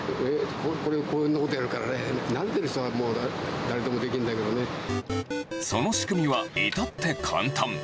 これを、こんなことやるからね、慣れてる人は、その仕組みは、いたって簡単。